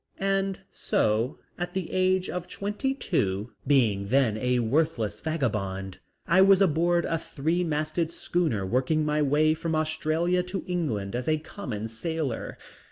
And so at the age of twenty two, being then a worthless vagabond, I was aboard a three masted schooner working my way from Australia to England as a common sailor.